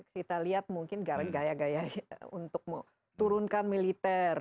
kita lihat mungkin gaya gaya untuk turunkan militer